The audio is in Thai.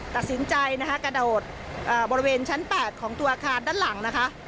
ตัดสินใจนะคะกระโดดบริเวณชั้น๘ของตัวอาคารด้านหลังนะคะ